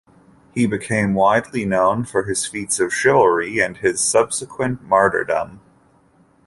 He became widely known for his feats of chivalry and his subsequent martyrdom.